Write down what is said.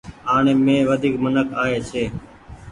آڻي مين منک وڍيڪ آئي ڇي۔